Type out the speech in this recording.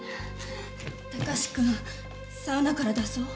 タカシ君サウナから出そう？